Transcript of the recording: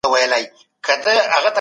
په ژوند کي به مو د کامیابۍ بیرغ رپیږي.